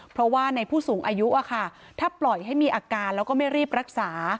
เพราะว่าในผู้สูงอายุถ้าปล่อยให้มีอาการแล้วก็ไม่รีบรักษา